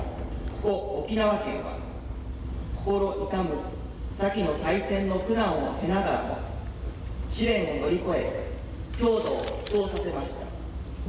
ここ、沖縄県は、心痛む先の大戦の苦難を経ながらも、試練を乗り越え、郷土を復興させました。